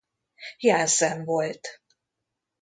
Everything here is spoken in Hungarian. Jansen volt.